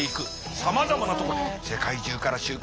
さまざまなところ世界中から集結しています。